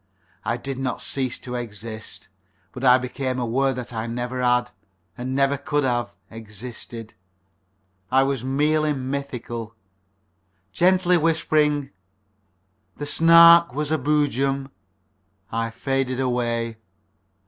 I did not cease to exist, but I became aware that I never had, and never could have, existed. I was merely mythical. Gently whispering "The Snark was a Boojum," I faded away.